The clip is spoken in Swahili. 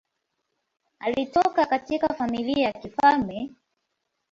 Alitoka katika familia ya kifalme.